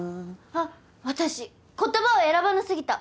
あっ私言葉を選ばなすぎた。